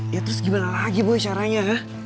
ya terus gimana lagi boy caranya ha